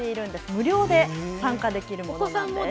無料で参加できるものなんです。